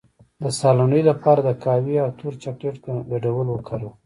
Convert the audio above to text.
د ساه لنډۍ لپاره د قهوې او تور چاکلیټ ګډول وکاروئ